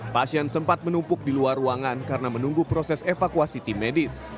pasien sempat menumpuk di luar ruangan karena menunggu proses evakuasi tim medis